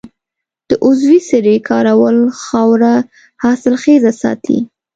د عضوي سرې کارول خاوره حاصلخیزه ساتي.